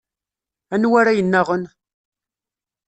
Anwa ara yennaɣen?